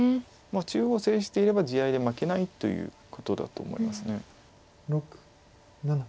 中央を制していれば地合いで負けないということだと思います。